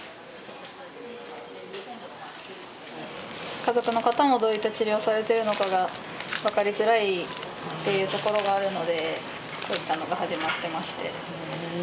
家族の方もどういった治療をされてるのかが分かりづらいっていうところがあるのでこういったのが始まってまして。